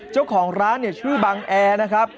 เจ้าของร้านชื่อบังแอนะครับ